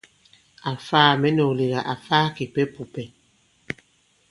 Àfaa mɛ̌ nɔ̄k lega, àfaa kìpɛ pùpɛ̀.